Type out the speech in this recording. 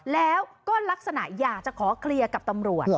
แล้วก็ลักษณะอยากจะขอเคลียร์กับตำรวจ